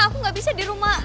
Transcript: aku enggak bisa dirumah